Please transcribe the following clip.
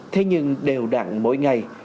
thế nhưng đều đặn mỗi ngày